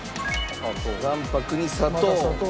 卵白に砂糖。